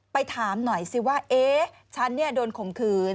ไปถามหน่อยสิว่าเอ๊ะฉันเนี่ยโดนข่มขืน